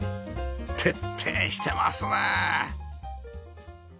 徹底してますね！